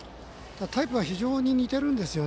タイプが非常に似てるんですよ。